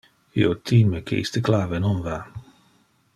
Io time que iste clave non va.